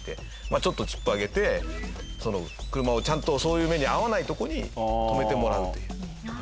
ちょっとチップあげて車をちゃんとそういう目に遭わないとこに止めてもらうという。